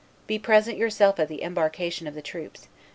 Be present yourself at the embarkation of the troops.